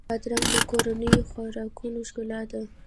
بادرنګ د کورنیو خوراکونو ښکلا ده.